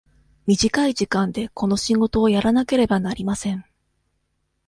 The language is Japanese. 短い時間でこの仕事をやらなければなりません。